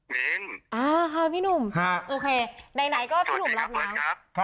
มิ้นต์อ่าค่ะพี่หนุ่มค่ะโอเคใดก็พี่หนุ่มรับแล้วสวัสดีครับเบิ้ลต์ครับ